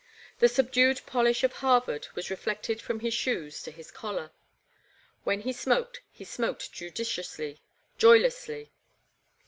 The subdued polish of Harvard was reflected from his shoes to his collar. When he smoked he smoked judiciously, joylessly.